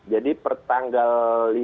jadi pertanggal lima belas